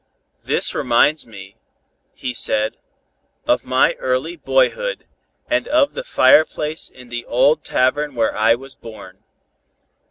"This reminds me," he said, "of my early boyhood, and of the fireplace in the old tavern where I was born."